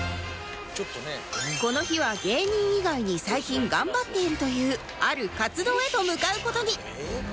この日は芸人以外に最近頑張っているというある活動へと向かう事に